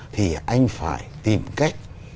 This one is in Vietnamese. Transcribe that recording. thì anh phải tìm cách